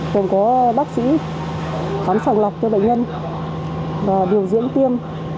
còn có bác sĩ khám sàng lọc cho bệnh nhân điều diễn tiêm